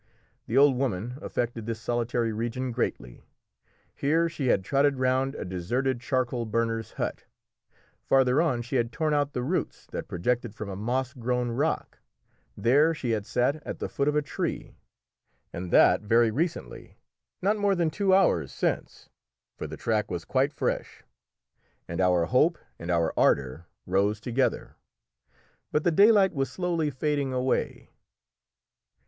The old woman affected this solitary region greatly; here she had trotted round a deserted charcoal burner's hut; farther on she had torn out the roots that projected from a moss grown rock; there she had sat at the foot of a tree, and that very recently not more than two hours since, for the track was quite fresh and our hope and our ardour rose together. But the daylight was slowly fading away!